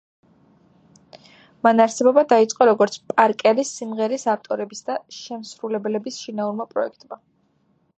მან არსებობა დაიწყო, როგორც პარკერის, სიმღერის ავტორების და შემსრულებლის შინაურმა პროექტმა.